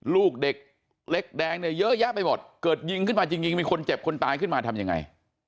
ลูกเด็กเล็กแดงเนี่ยเยอะแยะไปหมดเกิดยิงขึ้นมาจริงยิงมีคนเจ็บคนตายขึ้นมาทำยังไง